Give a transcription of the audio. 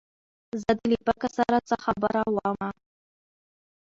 زه دې له پکه سره څه خبره ومه